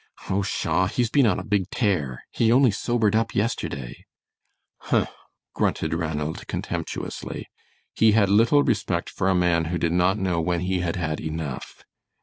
"Oh, pshaw, he's been on a big tear. He only sobered up yesterday." "Huh!" grunted Ranald, contemptuously. He had little respect for a man who did not know when he had had enough.